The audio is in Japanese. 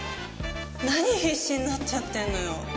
何必死になっちゃってんのよ。